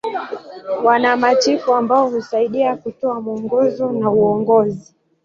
Wana machifu ambao husaidia kutoa mwongozo na uongozi.